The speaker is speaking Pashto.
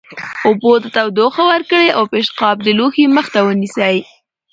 اوبو ته تودوخه ورکړئ او پیشقاب د لوښي مخ ته ونیسئ.